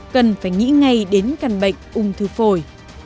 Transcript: cần phải nghĩ ngay đến căn bệnh ung thư phổi